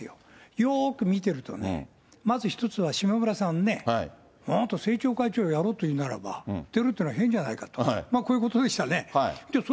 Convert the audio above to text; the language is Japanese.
よーく見てるとね、まず一つは、下村さんね、あなた政調会長をやるというのならば、出るっていうのは変じゃないかと、こういうことでしたね。